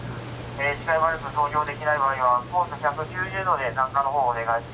視界悪く操業できない場合はコース